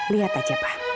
lihat aja pa